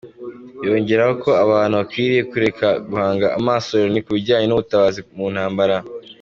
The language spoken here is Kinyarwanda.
Yongeraho ko abantu bakwiriye kureka guhanga amaso Loni ku bijyanye n’ubutabazi mu ntambara.